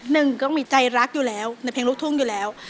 หนึ่งก็มีใจรักอยู่แล้วในเพลงลูกทุ่งอยู่แล้ว